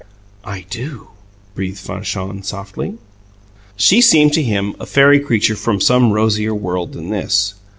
"I do!" breathed Fanchon, softly. She seemed to him a fairy creature from some rosier world than this.